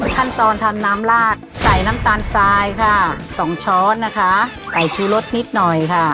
ขั้นตอนทำน้ำลาดใส่น้ำตาลทรายค่ะสองช้อนนะคะใส่ชูรสนิดหน่อยค่ะ